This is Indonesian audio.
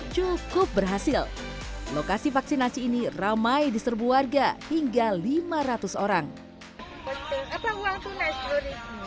cukup berhasil lokasi vaksinasi ini ramai di serbu warga hingga lima ratus orang apa uang tunai